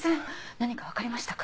何かわかりましたか？